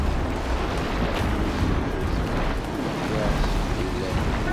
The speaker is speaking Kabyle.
Am win yemmuten, mḥiɣ seg wulawen.